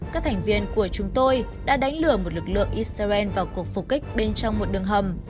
các thành viên của chúng tôi đã đánh lừa một lực lượng israel vào cuộc phục kích bên trong một đường hầm